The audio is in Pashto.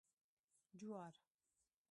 🌽 جوار